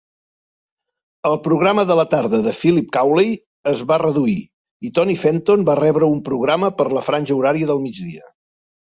El programa de la tarda de Philip Cawley es va reduir i Tony Fenton va rebre un programa per la franja horària del midgia.